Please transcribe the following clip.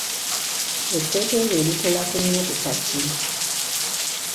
Etteeka eryo likola ku nnyukuta ki?